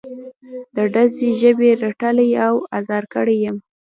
د ډزو ژبې رټلی او ازار کړی یم.